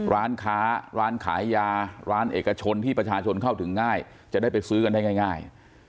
ร้านค้าร้านขายยาร้านเอกชนที่ประชาชนเข้าถึงง่ายจะได้ไปซื้อกันได้ง่าย